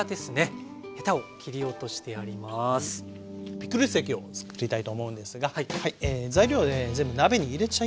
ピクルス液をつくりたいと思うんですが材料ね全部鍋に入れちゃいましょう。